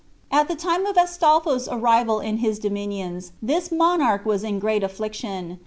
At the time of Astolpho's arrival in his dominions, this monarch was in great affliction.